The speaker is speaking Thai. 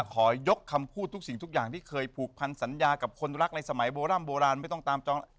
ขอยกคำพูดทุกสิ่งทุกอย่างที่เคยผูกพันสัญญากับคนรักในสมัยโบร่ำโบราณไม่ต้องตามจอง